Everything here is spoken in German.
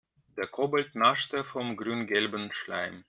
Der Kobold naschte vom grüngelben Schleim.